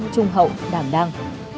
trung hậu đảng đăng